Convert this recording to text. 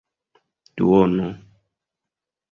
duono